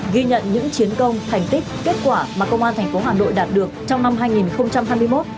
ghi nhận những chiến công thành tích kết quả mà công an thành phố hà nội đạt được trong năm hai nghìn hai mươi một